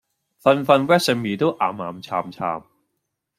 份份 resume 都岩岩巉巉